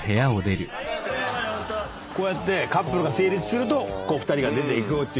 こうやってカップルが成立すると２人が出ていくっていう。